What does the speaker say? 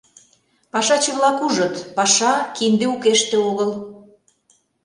Пашаче-влак ужыт: паша — кинде укеште огыл.